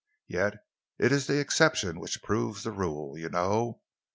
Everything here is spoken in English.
Yet it is the exception which proves the rule, you know.